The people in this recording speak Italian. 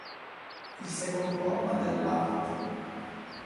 Il secondo comma dell'art.